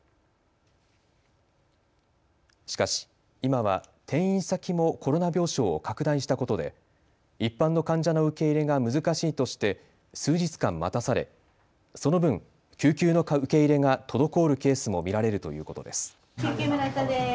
しかし今は転院先もコロナ病床を拡大したことで一般の患者の受け入れが難しいとして数日間待たされその分、救急の受け入れが滞るケースも見られるということです。